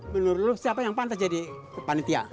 menurut lo siapa yang pantas jadi panitia